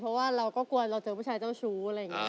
เพราะว่าเราก็กลัวเจอผู้ชายเจ้าชู้